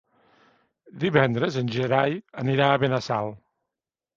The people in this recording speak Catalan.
Divendres en Gerai anirà a Benassal.